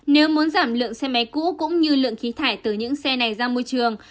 nếu muốn giảm lượng xe máy cũ cũng như lượng khí thải từ những xe này ra môi trường